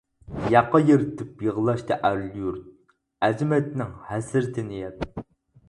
ياقا يىرتىپ يىغلاشتى ئەل-يۇرت، ئەزىمەتنىڭ ھەسرىتىنى يەپ.